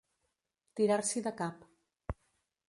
Tirar-s'hi de cap.